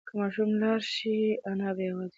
که ماشوم لاړ شي انا به یوازې شي.